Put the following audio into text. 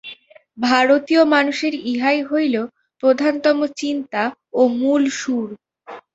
ভারতীয় মানুষের ইহাই হইল প্রধানতম চিন্তা ও মূল সুর।